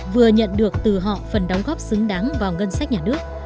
vừa nhận được từ họ phần đóng góp xứng đáng vào ngân sách nhà nước